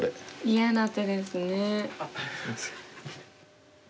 嫌な手ですね。